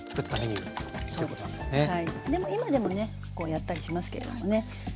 でも今でもねやったりしますけれどもね。